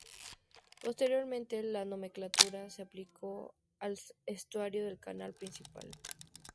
Posteriormente, la nomenclatura se aplicó al estuario del canal principal.